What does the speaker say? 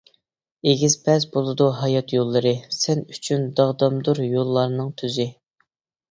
ئېگىز-پەس بولىدۇ ھايات يوللىرى، سەن ئۈچۈن داغدامدۇر يوللارنىڭ تۈزى.